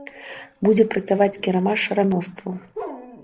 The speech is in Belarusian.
Будзе працаваць кірмаш рамёстваў.